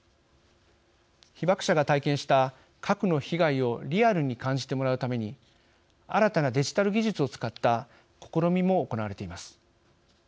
被爆者が体験した核の被害をリアルに感じてもらうために新たなデジタル技術を使った試みも行われています。